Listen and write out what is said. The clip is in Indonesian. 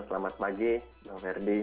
selamat pagi bang ferdi